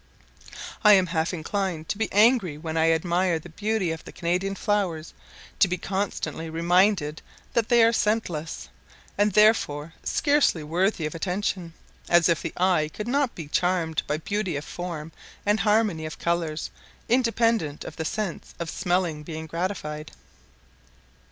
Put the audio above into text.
I am half inclined to be angry when I admire the beauty of the Canadian flowers, to be constantly reminded that they are scentless, and therefore scarcely worthy of attention; as if the eye could not be charmed by beauty of form and harmony of colours, independent of the sense of smelling being gratified.